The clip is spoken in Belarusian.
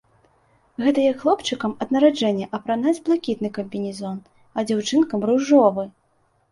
Гэта як хлопчыкам ад нараджэння апранаць блакітны камбінезон, а дзяўчынкам ружовы!